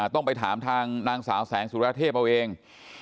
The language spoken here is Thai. ต้องไปถามทางนางสาวแสงสุรเทพเอาเอง